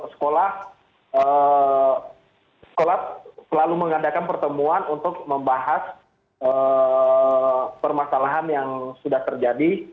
sekolah selalu mengadakan pertemuan untuk membahas permasalahan yang sudah terjadi